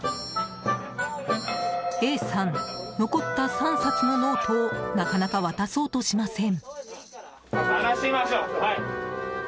Ａさん、残った３冊のノートをなかなか渡そうとしません。